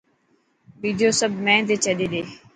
ٻيجو سب مين تي ڇڏي ڏي.